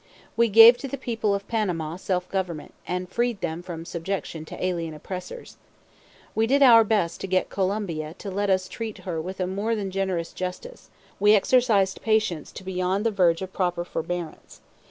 We gave to the people of Panama self government, and freed them from subjection to alien oppressors. We did our best to get Colombia to let us treat her with a more than generous justice; we exercised patience to beyond the verge of proper forbearance.